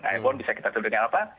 airborne bisa kita tuduh dengan apa